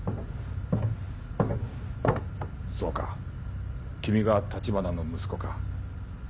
そうか君が立花の息子か。